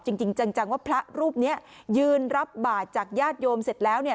จริงจังว่าพระรูปนี้ยืนรับบาตรจากญาติโยมเสร็จแล้วเนี่ย